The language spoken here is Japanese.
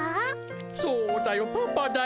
そうだよパパだよ。